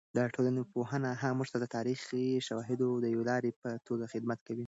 د ټولنپوهنه موږ ته د تاریخي شواهدو د یوې لارې په توګه خدمت کوي.